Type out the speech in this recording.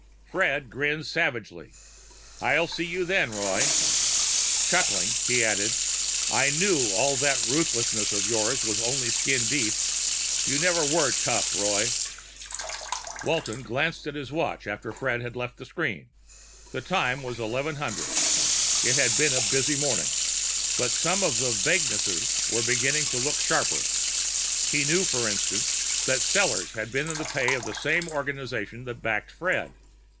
Fred grinned savagely. "I'll see you then, Roy." Chuckling, he added, "I knew all that ruthlessness of yours was just skin deep. You never were tough, Roy." Walton glanced at his watch after Fred had left the screen. The time was 1100. It had been a busy morning. But some of the vaguenesses were beginning to look sharper. He knew, for instance, that Sellors had been in the pay of the same organization that backed Fred.